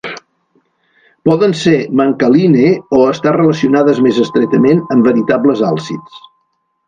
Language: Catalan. Poden ser "mancallinae", o estar relacionades més estretament amb veritables àlcids.